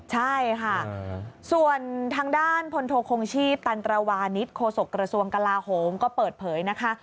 ใช่ค่ะส่วนทางด้านพลโทคงชีพตันตรวานิสโคศกระทรวงกลาโหมก็เปิดเผยนะคะ